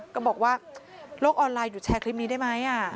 ก็บอกว่าโลกออนไลน์หยุดแชร์คลิปนี้ได้ไหม